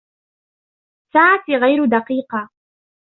ساعتي غير دقيقة.